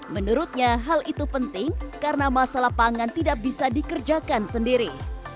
menurutnya hal itu penting karena masalah pangan tidak bisa dikerjakan sendiri